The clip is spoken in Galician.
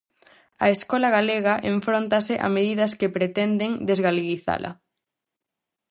A escola galega enfróntase a medidas que pretenden desgaleguizala.